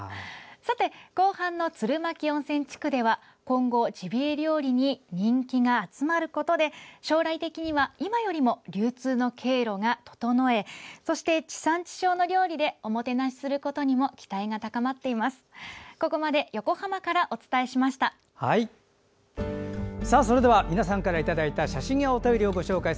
後半の鶴巻温泉地区では今後、ジビエ料理に人気が集まることで将来的には今よりも流通の経路が整えそして地産地消の料理でおもてなしすることにも期待が高まっています。